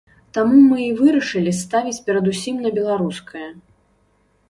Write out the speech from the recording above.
Таму мы і вырашылі ставіць перадусім на беларускае.